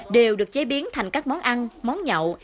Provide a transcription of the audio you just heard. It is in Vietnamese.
đều được chế biến thành các món ăn món nhậu